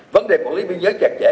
vấn đề quản lý biên giới chặt chẽ